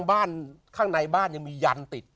บ้านข้างในบ้านยังมียันติด